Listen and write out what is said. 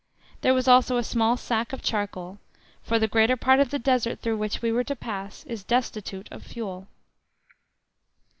There was also a small sack of charcoal, for the greater part of the Desert through which we were to pass is destitute of fuel.